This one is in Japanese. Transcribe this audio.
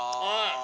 はい。